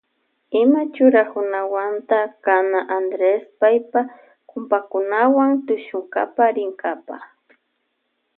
Ima churakunawanta kana Andres paypa kumpakunawa tushunkapa rinkapa.